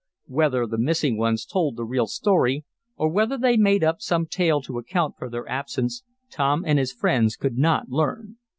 Whether the missing ones told the real story, or whether they made up some tale to account for their absence, Tom and his friends could not learn.